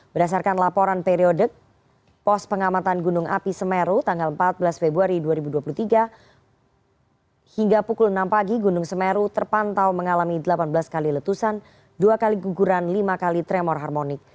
berdasarkan laporan periode pos pengamatan gunung api semeru tanggal empat belas februari dua ribu dua puluh tiga hingga pukul enam pagi gunung semeru terpantau mengalami delapan belas kali letusan dua kali guguran lima kali tremor harmonik